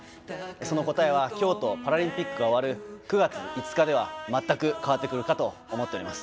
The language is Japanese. その答えは、きょうとパラリンピックが終わる９月５日では全く変わってくるかと思っております。